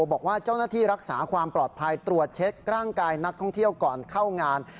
บอกว่าเจ้าหน้าที่รักษาความปลอดภัยตรวจเช็คร่างกายนักท่องเที่ยวก่อนเข้างาน